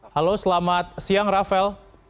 halo selamat siang rafael